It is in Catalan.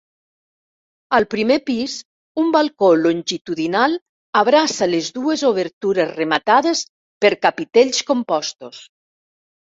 Al primer pis un balcó longitudinal abraça les dues obertures rematades per capitells compostos.